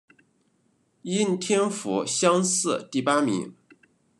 应天府乡试第八名。